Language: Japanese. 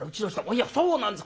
いやそうなんです。